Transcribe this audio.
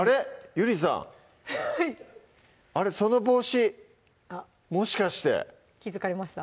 ゆりさんはいその帽子もしかして気付かれました？